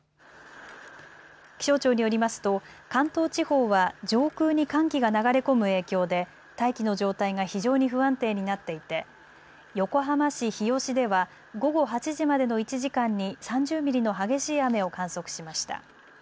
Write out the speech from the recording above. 気象庁によりますと関東地方は上空に寒気が流れ込む影響で大気の状態が非常に不安定になっていて横浜市日吉では午後８時までの１時間に３０ミリの激しい雨を観測しました。